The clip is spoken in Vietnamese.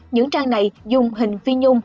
những trang này dùng hình phi nhung